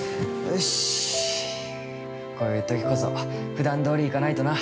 よしっ、こういうときこそふだんどおり行かないとな。